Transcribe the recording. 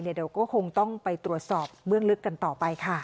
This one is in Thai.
เดี๋ยวก็คงต้องไปตรวจสอบเบื้องลึกกันต่อไปค่ะ